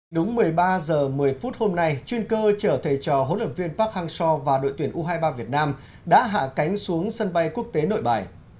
đúng một mươi ba h một mươi phút hôm nay chuyên cơ chở thầy trò huấn luyện viên park hang seo và đội tuyển u hai mươi ba việt nam đã hạ cánh xuống sân bay quốc tế nội bài